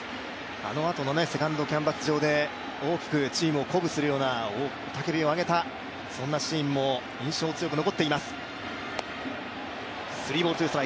あのあとのセカンドキャンバス上で大きくチームを鼓舞するような雄たけびを上げた、そんなシーンも印象強く残っています。